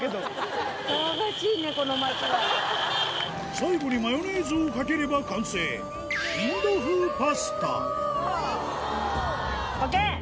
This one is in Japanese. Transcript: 最後にマヨネーズをかければ完成ＯＫ！